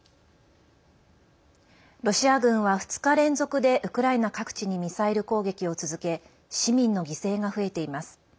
ロシア軍は２日連続でウクライナ各地にミサイル攻撃を続け市民の犠牲が増えています。